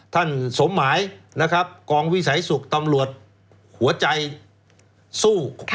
ท่านสมหมายกองวิสัยศุกร์ตำรวจหัวใจสู้